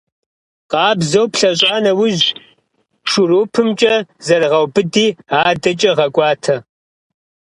Къабзэу плъэщӀа нэужь, шурупымкӀэ зэрыгъэубыди, адэкӀэ гъэкӏуатэ.